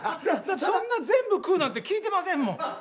そんな全部食うなんて聞いてませんもん。